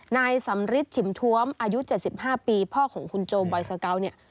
นายสำริทฉิมทวมอายุ๗๕ปีพ่อของคุณโจบอยสเกาเนี่ย